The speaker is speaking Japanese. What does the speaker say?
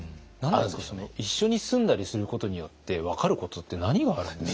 一緒に住んだりすることによって分かることって何があるんですか？